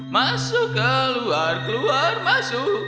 masuk keluar keluar masuk